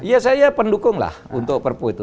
ya saya pendukung lah untuk perpu itu